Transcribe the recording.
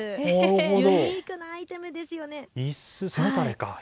ユニークなアイテムですよね。